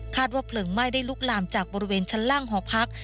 ว่าเพลิงไหม้ได้ลุกลามจากบริเวณชั้นล่างหอพัก